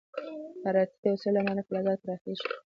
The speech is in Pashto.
د حرارتي توسعې له امله فلزات پراخېږي.